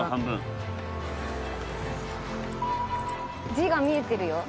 字が見えてるよ。